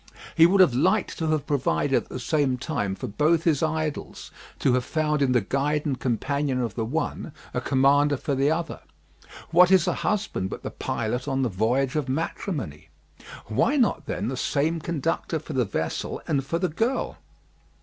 He would have liked to have provided at the same time for both his idols; to have found in the guide and companion of the one a commander for the other. What is a husband but the pilot on the voyage of matrimony? Why not then the same conductor for the vessel and for the girl?